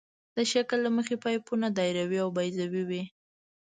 د شکل له مخې پایپونه دایروي او بیضوي وي